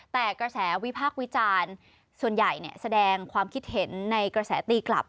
แต่กระแสวิพากษ์วิจารณ์ส่วนใหญ่แสดงความคิดเห็นในกระแสตีกลับ